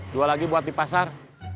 dua lagi buat di pasar